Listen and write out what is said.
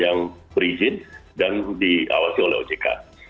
yang berizin dan diawasi oleh ojk